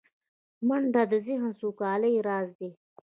منډه د ذهني سوکالۍ راز دی